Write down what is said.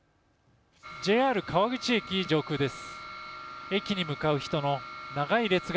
ＪＲ川口駅上空です。